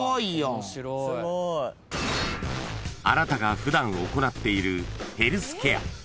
［あなたが普段行っているヘルスケア］